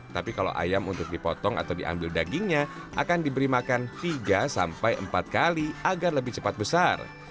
tapi kalau ayam untuk dipotong atau diambil dagingnya akan diberi makan tiga sampai empat kali agar lebih cepat besar